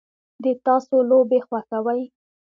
د تاسو لوبې خوښوئ؟